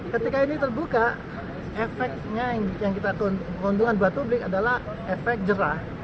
ketika ini terbuka efeknya yang kita keuntungan buat publik adalah efek jerah